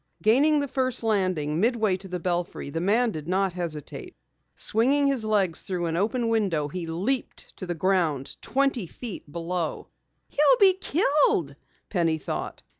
Gaining the first landing, midway to the belfry, the man did not hesitate. Swinging his legs through an open window, he leaped to the ground twenty feet below. "He'll be killed!" Penny thought.